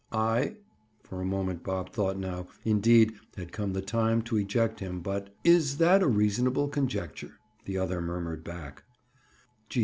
"I?" For a moment Bob thought now, indeed, had come the time to eject him, but—"Is that a reasonable conjecture?" the other murmured back.